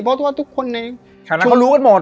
เพราะว่าทุกคนเนี้ยค่ะแล้วก็รู้กันหมด